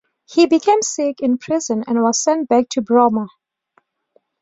He became sick in prison and was sent back to Burma.